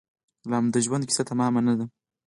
لامو د ژوند کیسه تمامه نه ده